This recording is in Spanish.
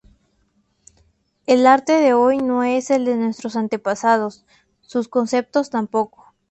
El arte de hoy no es el de nuestros antepasados; sus conceptos tampoco.